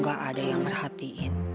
gak ada yang merhatiin